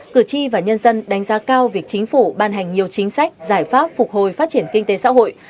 cử tri và nhân dân đánh giá cao việc chính phủ ban hành nhiều chính sách giải pháp phục hồi phát triển kinh tế xã hội